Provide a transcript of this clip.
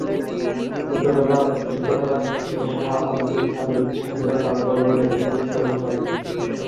ছোটবেলা থেকেই শাহ আব্দুল হামিদ স্বাধীনতা আন্দোলনে অংশগ্রহণ করেন।